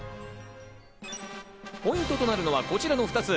ポイントとなるのはこちらの２つ。